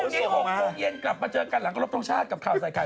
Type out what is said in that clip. พบเชิญกลับมาเจอกันหลังกระโลกตรงชาติกลับข้าวใส่กาย